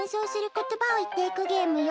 ことばをいっていくゲームよ。